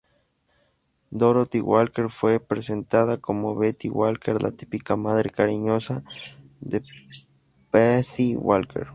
Dorothy Walker fue presentada como Betty Walker, la típica madre cariñosa de Patsy Walker.